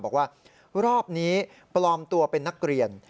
บอกว่ารอบนี้ปลอมตัวเป็นนักเรียน